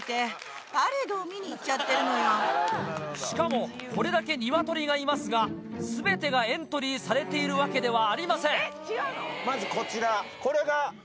しかもこれだけニワトリがいますが全てがエントリーされているわけではありません。